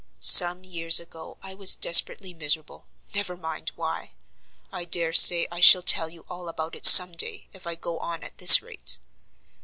Some years ago I was desperately miserable; never mind why: I dare say I shall tell you all about it some day if I go on at this rate.